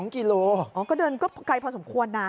กิโลอ๋อก็เดินก็ไกลพอสมควรนะ